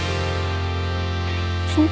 そう？